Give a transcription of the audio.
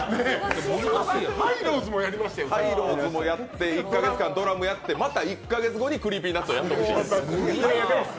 ＴＨＥＨＩＧＨ−ＬＯＷＳもやって１か月間ドラムもやってまた１か月後にＣｒｅｅｐｙＮｕｔｓをやってほしい。